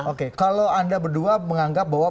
oke kalau anda berdua menganggap bahwa